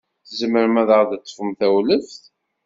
Tzemrem ad aɣ-teṭṭfem tawlaft?